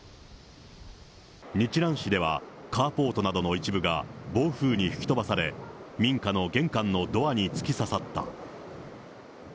日南市では、カーポートなどの一部が暴風に吹き飛ばされ、民家の玄関のドアに突き刺さった。